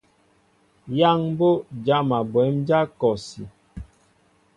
Yaŋ mbo jama bwémdja kɔsí.